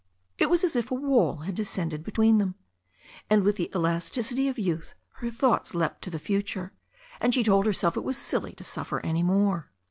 It was as if a wall h^d descended be tween them. And with the elasticity of youth her thoughts leapt to the future, and she told herself it was silly to suffer any more.